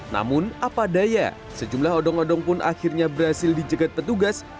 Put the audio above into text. namun apa daya sejumlah odong odong pun akhirnya berhasil dijegat petugas